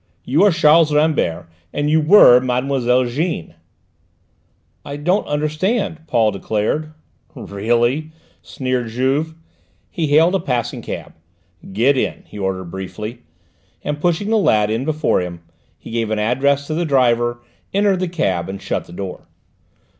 You are Charles Rambert, and you were Mademoiselle Jeanne?" "I don't understand," Paul declared. "Really!" sneered Juve. He hailed a passing cab. "Get in," he ordered briefly, and pushing the lad in before him he gave an address to the driver, entered the cab and shut the door.